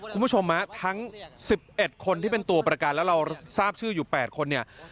คุณผู้ชมทั้ง๑๑คนที่เป็นตัวประกันแล้วเราทราบชื่ออยู่๘คนเนี่ย